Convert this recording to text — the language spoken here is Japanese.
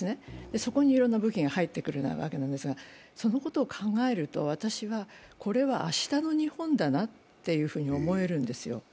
そこにいろんな武器が入ってくるわけなんですが、そのことを考えると、私はこれは明日の日本だなと思えるんですよ。